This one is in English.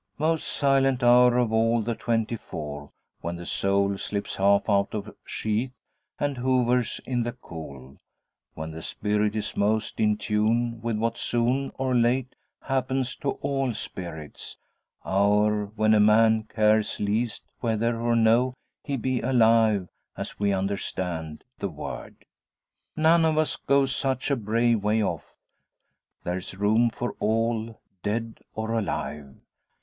Most silent hour of all the twenty four when the soul slips half out of sheath, and hovers in the cool; when the spirit is most in tune with what, soon or late, happens to all spirits; hour when a man cares least whether or no he be alive, as we understand the word. 'None of us goes such a brave way off there's room for all, dead or alive.'